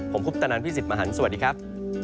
ผมคุปตะนันพี่สิทธิ์มหันฯสวัสดีครับ